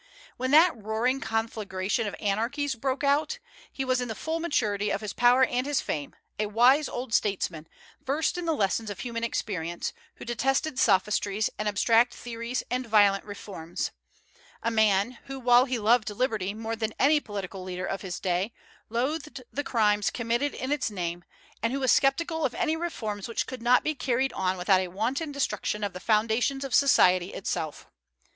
When that "roaring conflagration of anarchies" broke out, he was in the full maturity of his power and his fame, a wise old statesman, versed in the lessons of human experience, who detested sophistries and abstract theories and violent reforms; a man who while he loved liberty more than any political leader of his day, loathed the crimes committed in its name, and who was sceptical of any reforms which could not be carried on without a wanton destruction of the foundations of society itself.